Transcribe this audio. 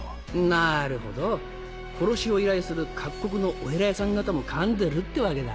なるほど殺しを依頼する各国のお偉いさん方もかんでるってわけだ。